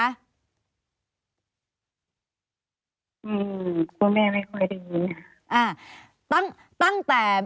อืมคุณแม่ไม่ค่อยดังนี้ค่ะ